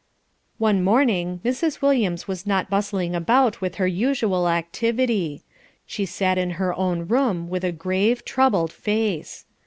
One morning Mrs. Williams was not bustling about with her usual activity. She sat in her own room with a grave, troubled face.